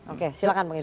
oke silahkan bang irwan